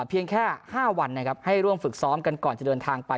เพียงแค่๕วันนะครับให้ร่วมฝึกซ้อมกันก่อนจะเดินทางไป